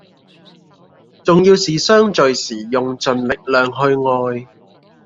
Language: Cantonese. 重要是在相聚時用盡力量去愛